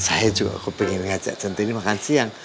saya juga pengen ngajak jantini makan siang